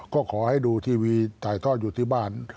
ก็ขอให้ดูทีวีถ่ายทอดอยู่ที่บ้าน